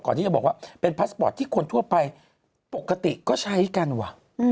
ที่จะบอกว่าเป็นพาสปอร์ตที่คนทั่วไปปกติก็ใช้กันว่ะ